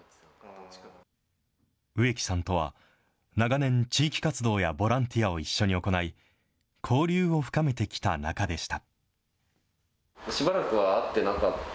植木さんとは長年、地域活動やボランティアを一緒に行い、交流を深めてきた中でした。